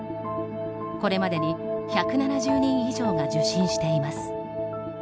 これまでに１７０人以上が受診しています。